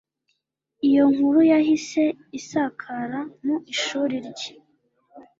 iyo nkuru yahise isakara mu ishuri rye